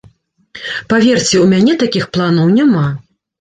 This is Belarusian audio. Паверце, у мяне такіх планаў няма.